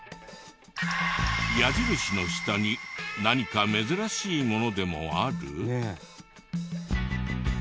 矢印の下に何か珍しいものでもある？